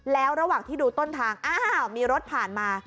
แล้วระหว่างที่ดูต้นทางอ้าวมีรถผ่านมา